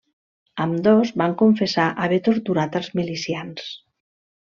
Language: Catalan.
Ambdós van confessar haver torturat als milicians.